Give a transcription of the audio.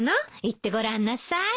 言ってごらんなさい。